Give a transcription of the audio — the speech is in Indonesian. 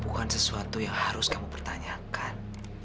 bukan sesuatu yang harus kamu pertanyakan